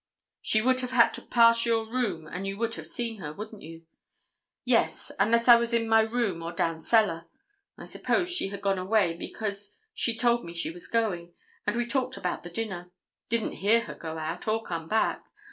"She would have had to pass your room, and you would have seen her, wouldn't you?" "Yes, unless I was in my room or down cellar. I supposed she had gone away, because she told me she was going, and we talked about the dinner. Didn't hear her go out or come back.